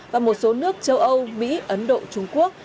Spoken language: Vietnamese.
và một số nước châu âu mỹ ấn độ trung quốc